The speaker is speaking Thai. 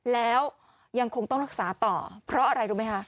แล้วยังคงต้องรักษาต่อเพราะอะไรรู้ไหมคะ